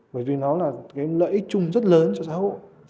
bởi vì nó là cái lợi ích chung rất lớn cho xã hội